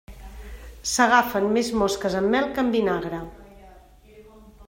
S'agafen més mosques amb mel que amb vinagre.